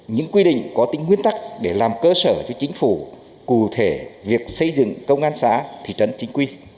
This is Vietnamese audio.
những quy định có tính nguyên tắc để làm cơ sở cho chính phủ cụ thể việc xây dựng công an xã thị trấn chính quy